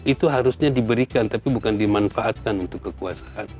itu harusnya diberikan tapi bukan dimanfaatkan untuk kekuasaan